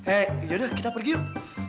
eh ya udah kita pergi yuk